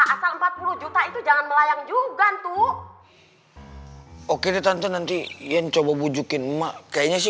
asal empat puluh juta itu jangan melayang juga tuh oke ditonton nanti yang coba bujukin kayaknya sih